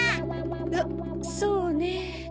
あっそうね。